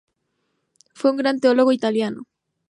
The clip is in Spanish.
Fue un gran teólogo italiano.